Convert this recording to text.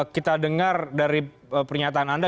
kita dengar dari pernyataan anda